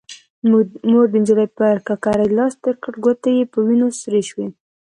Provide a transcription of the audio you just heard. مور د نجلۍ پر ککرۍ لاس تير کړ، ګوتې يې په وينو سرې شوې.